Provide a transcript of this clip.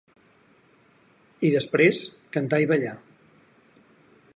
I després, cantar i ballar.